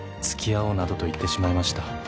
「付き合おうなどと言ってしまいました」